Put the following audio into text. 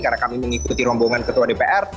karena kami mengikuti rombongan ketua dpr